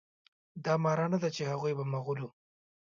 دا معنی نه ده چې هغوی به مغول وه.